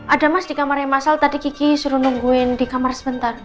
ada mas di kamar yang masal tadi kiki suruh nungguin di kamar sebentar